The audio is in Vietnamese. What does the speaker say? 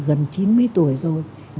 gần chín mươi tuổi rồi